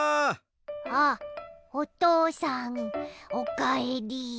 あっおとうさんおかえり。